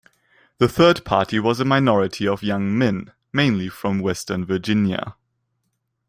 The third party was a minority of young men mainly from western Virginia.